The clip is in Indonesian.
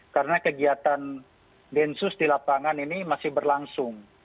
karena kegiatan densus di lapangan ini masih berlangsung